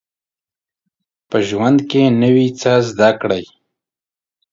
په ژوند کي نوی څه زده کړئ